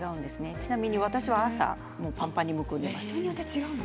ちなみに私は朝がパンパンにむくんでいます。